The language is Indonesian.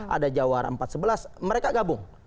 ada jawara empat ratus sebelas mereka gabung